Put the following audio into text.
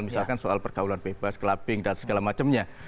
misalkan soal pergaulan bebas clubbing dan segala macamnya